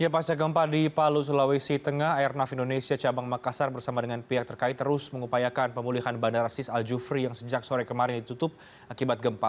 pasca gempa di palu sulawesi tengah airnav indonesia cabang makassar bersama dengan pihak terkait terus mengupayakan pemulihan bandara sis al jufri yang sejak sore kemarin ditutup akibat gempa